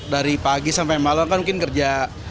dari pagi sampai malam kan mungkin kerja